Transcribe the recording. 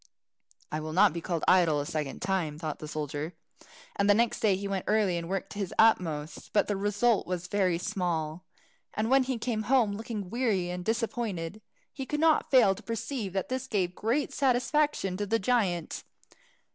"I will not be called idle a second time," thought the soldier, and next day he went early and worked his utmost. But the result was very small. And when he came home, looking weary and disappointed, he could not fail to perceive that this gave great satisfaction to the giant.